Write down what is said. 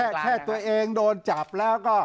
แค่ตัวเองโดนจับแล้วก็